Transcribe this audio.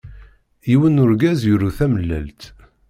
yiwen n urgaz yuru tamellalt!